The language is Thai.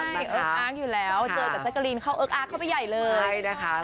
ใช่เอิ๊กอาร์กอยู่แล้วเจอกับจักรีนเข้าเอิ๊กอาร์กเข้าไปใหญ่เลย